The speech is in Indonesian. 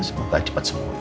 semoga cepat semua